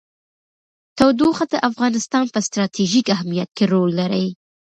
تودوخه د افغانستان په ستراتیژیک اهمیت کې رول لري.